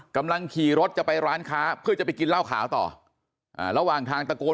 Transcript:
กำลังขี่รถจะไปร้านค้าเพื่อจะไปกินเหล้าขาวต่อระหว่างทางตะโกน